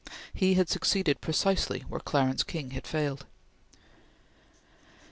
He had succeeded precisely where Clarence King had failed.